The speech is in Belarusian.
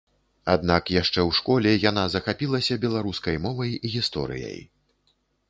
Аднак яшчэ ў школе яна захапілася беларускай мовай і гісторыяй.